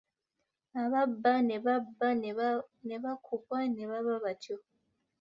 Ababba ne babba n’abakubwa ne baba batyo.